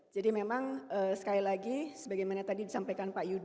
jadi memang sekali lagi sebagaimana tadi disampaikan pak yuda